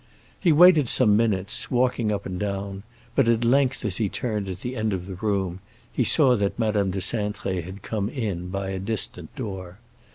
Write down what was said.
He waited some minutes, walking up and down; but at length, as he turned at the end of the room, he saw that Madame de Cintré had come in by a distant door.